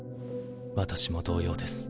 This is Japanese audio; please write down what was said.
私も同様です。